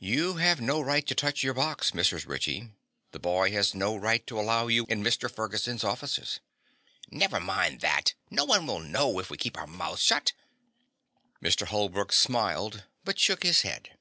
"You have no right to touch your box, Mrs. Ritchie. The boy has no right to allow you in Mr. Ferguson's offices." "Never mind that; no one will know, if we keep our mouths shut." Mr. Holbrook smiled but shook his head.